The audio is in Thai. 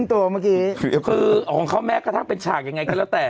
แต่คือของเขามันก็เป็นฉากอย่างไรแล้วแต่